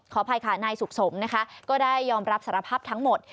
อภัยค่ะนายสุขสมนะคะก็ได้ยอมรับสารภาพทั้งหมด